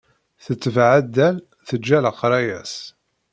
Tetbeɛ addal, teǧǧa leqraya-s.